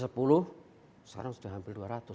sekarang sudah hampir dua ratus